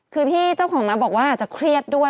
คือพี่เจ้าของม้าบอกว่าอาจจะเครียดด้วย